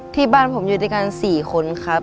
ที่บ้านผมอยู่ด้วยกัน๔คนครับ